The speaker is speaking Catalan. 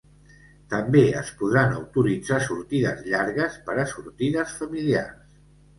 També es podran autoritzar sortides llargues per a sortides familiars.